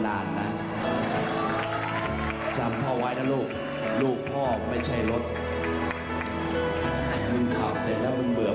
๑ล้าน๓แสนวิวแล้วน่ะครับ